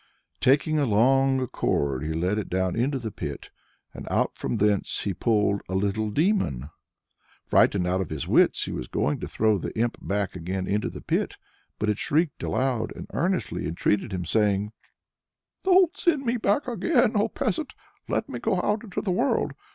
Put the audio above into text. Taking a long cord, he let it down into the pit, and out from thence he pulled a little demon. Frightened out of his wits, he was going to throw the imp back again into the pit, but it shrieked aloud, and earnestly entreated him, saying: "Don't send me back again, O peasant! let me go out into the world!